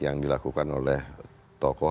yang dilakukan oleh tokoh